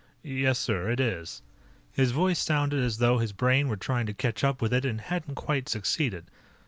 "Yes, sir, it is." His voice sounded as though his brain were trying to catch up with it and hadn't quite succeeded.